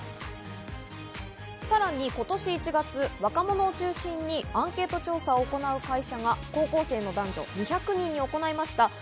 さらに今年１月、若者を中心にアンケート調査を行う会社が高校生の男女２００人に行いました。